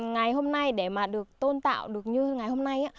ngày hôm nay để mà được tôn tạo được như ngày hôm nay